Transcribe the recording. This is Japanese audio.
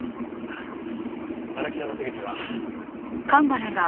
荒木田の手口は。